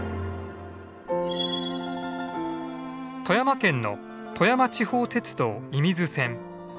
富山県の富山地方鉄道射水線。